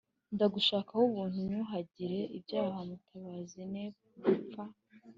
Ndagushakaho Ubuntu unyuhagire ibyaha mutabazi ne gupfa